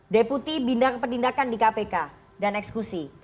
deputi bindang penindakan di kpk dan ekskusi